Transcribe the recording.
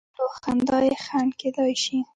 نو خندا یې خنډ کېدای شي.